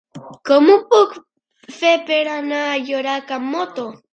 Com ho puc fer per anar a Llorac amb moto?